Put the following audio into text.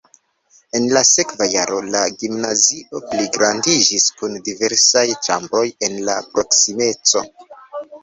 En la sekva jaro la gimnazio pligrandiĝis kun diversaj ĉambroj en la proksimeco.